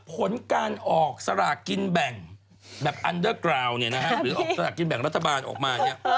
ผลการออกสระกินแบ่งแบบอันเดอร์กราวน์หรือออกสระกินแบ่งรัฐบาลออกมา